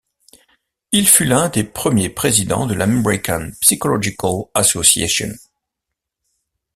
Il fut l'un des premiers présidents de l'American Psychological Association.